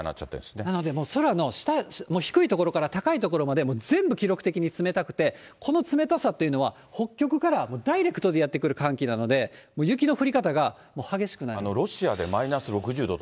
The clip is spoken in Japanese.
なので、もう空の低い所から高い所までもう全部、記録的に冷たくて、この冷たさっていうのは、北極からダイレクトでやって来る寒気なので、雪の降り方が激しくなる。